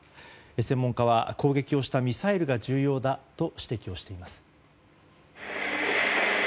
専門家は攻撃をしたミサイルが重要だと指摘をしています。